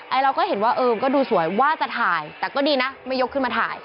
เราก็เห็นว่าเออมันก็ดูสวยว่าจะถ่ายแต่ก็ดีนะไม่ยกขึ้นมาถ่าย